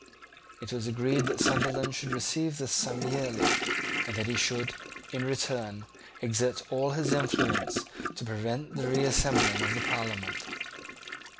It was agreed that Sunderland should receive this sum yearly, and that he should, in return, exert all his influence to prevent the reassembling of the Parliament.